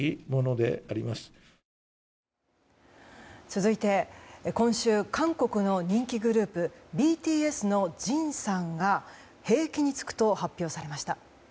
続いて今週、韓国の人気グループＢＴＳのＪＩＮさんが兵役に就くと発表されました。